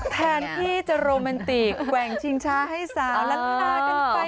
แทนที่จะโรมันติกแกว่งชิงช้าให้สาวแล้วลุงร้านกันไป